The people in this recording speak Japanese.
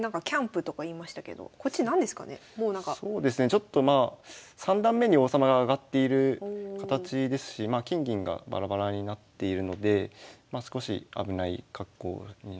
ちょっとまあ三段目に王様が上がっている形ですし金銀がバラバラになっているのでまあ少し危ない格好になってますね。